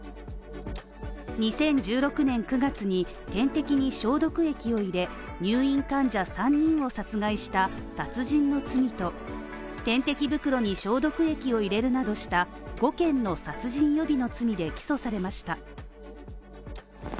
２０１６年９月に点滴に消毒液を入れ、入院患者３人を殺害した殺人の罪と点滴袋に消毒液を入れるなどした５件の殺人予備の罪で起訴されました。